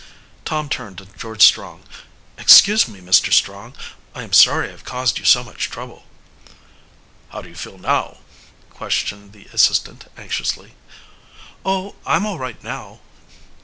Tom turned to George Strong. "Excuse me, Mr. Strong, I am sorry I have caused you so much trouble." "How do you feel now?" questioned the assistant anxiously. "Oh, I'm all right now."